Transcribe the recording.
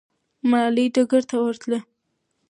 ملالۍ ډګر ته ورتله.